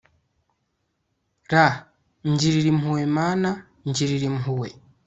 r/ ngirira impuhwe mana, ngirira impuhwe